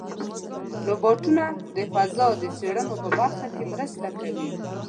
روبوټونه د فضا د څېړنو په برخه کې مرسته کوي.